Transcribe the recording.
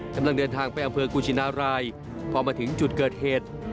กำลังเดินทางไปอำเภอกุชินารายพอมาถึงจุดเกิดเหตุ